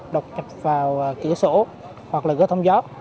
độc nhập vào cửa sổ hoặc là cửa thông gió